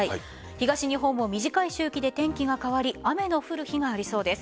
東日本も短い周期で天気が変わり雨の降る日がありそうです。